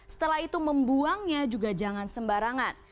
setelah itu membuangnya juga jangan sembarangan